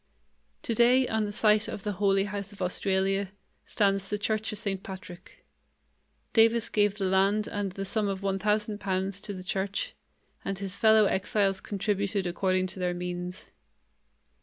Today, on the site of the "Holy House of Australia", stands the church of St. Patrick. Davis gave the land and the sum of one thousand pounds to the church, and his fellow exiles contributed according to their means.